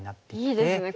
いいですね